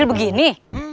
lari kecil begini